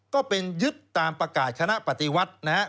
ก็เป็นยึดตามประกาศคณะปฏิวัตินะครับ